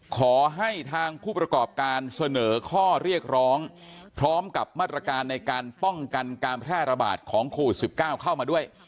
ขอให้ทางผู้ประกอบการเสนอข้อเรียกร้องพร้อมกับมาตรการในการป้องกันการแพร่ระบาดของโควิด๑๙เข้ามาด้วย